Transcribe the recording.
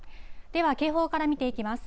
では、警報から見ていきます。